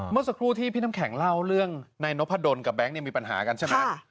เมื่อสักครู่ที่พี่น้ำแข็งเล่าเรื่องนายนพดลกับแก๊งเนี่ยมีปัญหากันใช่ไหม